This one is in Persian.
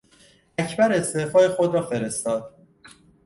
اکبر استعفای خود را فرستاد.